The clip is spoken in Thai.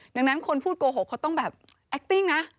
ดังนั้นคนพูดโกหกเขาต้องแบบแอคติ้งนะ